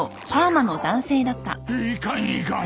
いかんいかん。